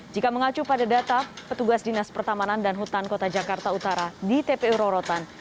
jika mengacu pada data petugas dinas pertamanan dan hutan kota jakarta utara di tpu rorotan